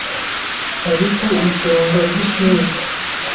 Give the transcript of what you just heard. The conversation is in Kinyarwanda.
Ari ku isonga ryishuri